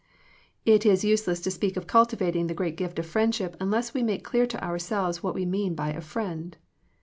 It is useless to speak of cultivating the great gift of friendship unless we make clear to ourselves what we mean by a friend.